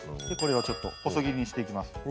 でこれをちょっと細切りにしていきます。